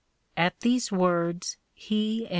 At these words he anJ.